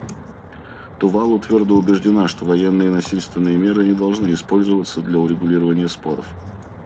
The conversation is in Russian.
Тувалу твердо убеждена, что военные и насильственные меры не должны использоваться для урегулирования споров.